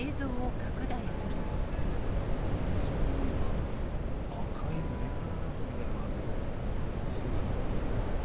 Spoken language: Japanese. そういえば赤いメガネ痕みたいのがあるけどそれが何だ？